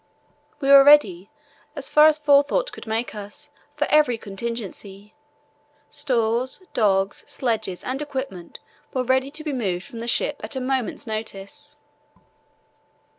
We were ready, as far as forethought could make us, for every contingency. Stores, dogs, sledges, and equipment were ready to be moved from the ship at a moment's notice.